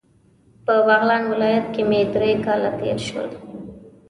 په بغلان ولایت کې مې درې کاله تیر شول.